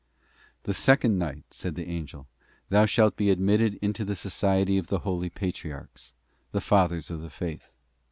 'The second night,' said the afgel, 'thou shalt be ad mitted into the society of the Holy Patriarchs,' the fathers of the faith.